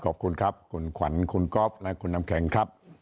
ขอบคุณครับคุณขวัญคุณก๊อฟและคุณน้ำแข็งครับ